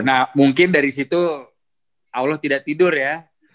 nah mungkin dari situ allah tidak tidur ya